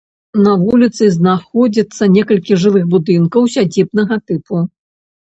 На вуліцы знаходзіцца некалькі жылых будынкаў сядзібнага тыпу.